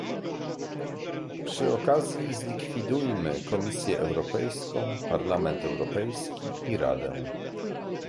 Przy okazji zlikwidujmy Komisję Europejską, Parlament Europejski i Radę